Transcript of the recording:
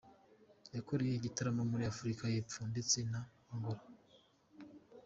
Yakoreye igitaramo muri Afurika y’Epfo ndetse na Angola.